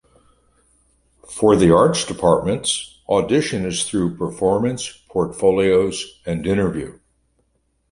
For the arts departments, audition is through performance, portfolios, and interview.